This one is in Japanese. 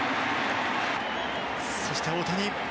そして、大谷。